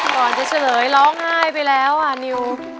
ก่อนจะเฉลยร้องไห้ไปแล้วอ่ะนิว